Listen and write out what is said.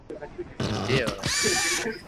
There are several decoys around the workplace.